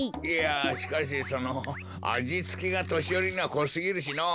あじつけがとしよりにはこすぎるしのう。